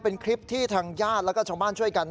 เป็นคลิปที่ทางญาติแล้วก็ชาวบ้านช่วยกัน